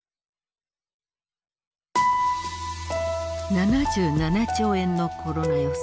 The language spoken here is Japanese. ７７兆円のコロナ予算。